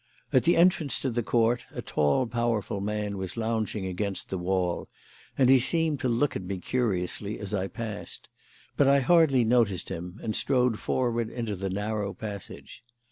At the entrance to the court a tall, powerful man was lounging against the wall, and he seemed to look at me curiously as I passed; but I hardly noticed him and strode forward into the narrow passage.